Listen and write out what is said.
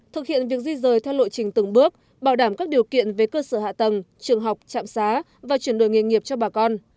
thực hiện việc di rời theo lộ trình từng bước bảo đảm các điều kiện về cơ sở hạ tầng trường học trạm xá và chuyển đổi nghề nghiệp cho bà con